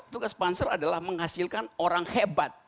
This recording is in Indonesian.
tugas pansel adalah menghasilkan orang hebat